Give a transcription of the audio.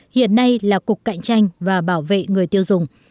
hiện nay là cục cạnh tranh và bảo vệ người tiêu dùng